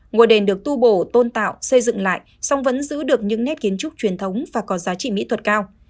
ngôi đền được tu bổ tôn tạo xây dựng lại song vẫn giữ được những nét kiến trúc truyền thống và có giá trị mỹ thuật cao